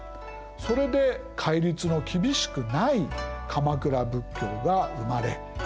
それで戒律の厳しくない鎌倉仏教が生まれ広まった。